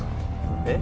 えっ？